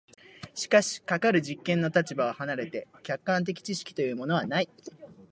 しかしかかる実験の立場を離れて客観的知識というものはない。